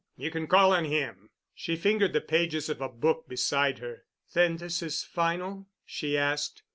You can call on him." She fingered the pages of a book beside her. "Then this is final?" she asked.